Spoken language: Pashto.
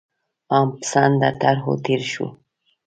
عام پسنده طرحو تېر شو.